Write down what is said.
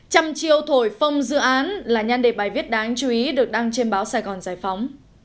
trăm chiều thổi phong dự án là nhan đề bài viết đáng chú ý được đăng trên báo sài gòn giải phóng